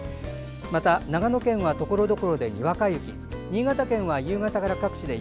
また、長野県はところどころでにわか雪。